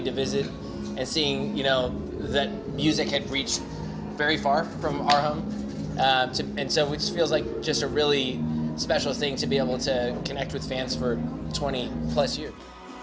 dan itu merasa seperti hal yang sangat istimewa untuk bisa berhubung dengan penggemar selama dua puluh tahun